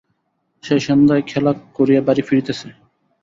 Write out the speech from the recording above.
সে সন্ধ্যায় খেলা করিয়া বাড়ি ফিরিতেছে।